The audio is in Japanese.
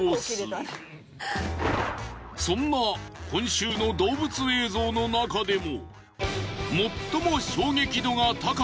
そんな今週の動物映像の中でも。